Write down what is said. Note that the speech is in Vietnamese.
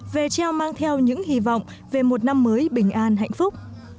về treo mang theo những hy vọng về một năm mới bình an hạnh phúc